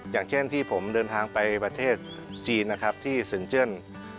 อย่างเช่นที่ผมเดินทางไปประเทศจีนที่สนเจน